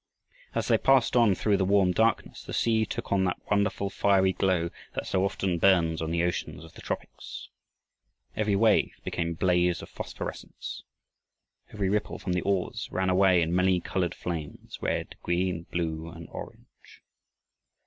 As they passed on through the warm darkness, the sea took on that wonderful fiery glow that so often burns on the oceans of the tropics. Every wave became a blaze of phosphorescence. Every ripple from the oars ran away in many colored flames red, green, blue, and orange.